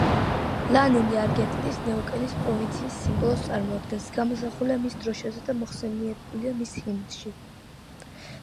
ლანინი არგენტინის ნეუკენის პროვინციის სიმბოლოს წარმოადგენს, გამოსახულია მის დროშაზე და მოხსენიებულია მის ჰიმნში.